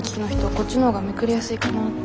こっちのほうがめくりやすいかなって。